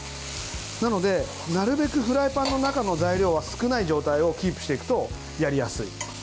なので、なるべくフライパンの中の材料は少ない状態をキープしていくとやりやすい。